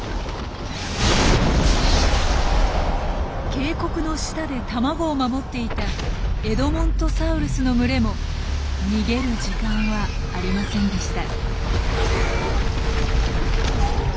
渓谷の下で卵を守っていたエドモントサウルスの群れも逃げる時間はありませんでした。